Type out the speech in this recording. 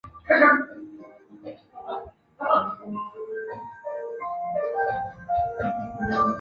此机制可以解释为何微中子的质量相较夸克和轻子会如此地小。